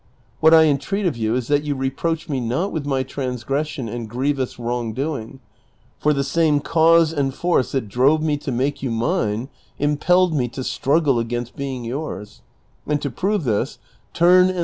What I entreat of you is that you reproach me not with my transgression and grievous wrong doing ; for the same cause and force that drove me to make you mine impelled me to struggle against being yours ; and to prove this, turn and THE RECONCILIATION. Vol. I. Page 314. CHAPTER XXXVI.